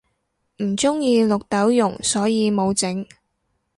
唔鍾意綠豆蓉所以無整